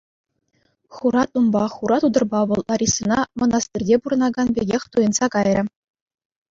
Хура тумпа, хура тутӑрпа вӑл Ларисӑна мӑнастирте пурӑнакан пекех туйӑнса кайрӗ.